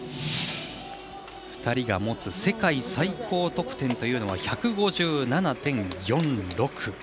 ２人が持つ世界最高得点というのは１５７．４６。